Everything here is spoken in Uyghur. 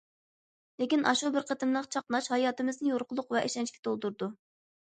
لېكىن ئاشۇ بىر قېتىملىق چاقناش ھاياتىمىزنى يورۇقلۇق ۋە ئىشەنچكە تولدۇرىدۇ.